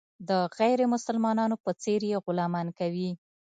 د غیر مسلمانانو په څېر یې غلامان کوي.